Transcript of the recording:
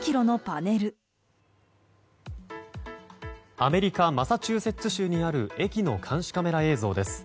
アメリカマサチューセッツ州にある駅の監視カメラ映像です。